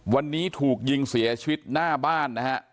วันนี้ถูกยิงเสียชีวิตหน้าบ้านนะฮะ